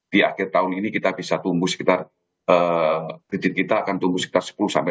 di akhir tahun ini kita bisa tumbuh sekitar kredit kita akan tumbuh sekitar sepuluh